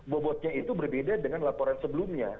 bobotnya itu berbeda dengan laporan sebelumnya